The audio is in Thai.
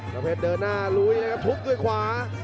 เพชรเดินหน้าลุยนะครับทุบด้วยขวา